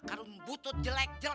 kadun butut jelek